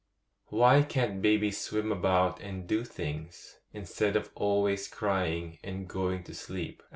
'Why can't babies swim about and do things, instead of always crying and going to sleep?